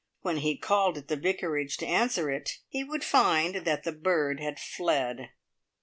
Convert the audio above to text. When he called at the Vicarage to answer it, he would find that the bird had fled.